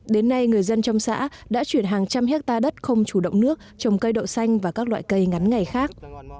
đến nay người dân trong xã đã chuyển hàng trăm hectare đất không chủ động nước trồng cây đậu xanh và các loại cây ngắn ngày khác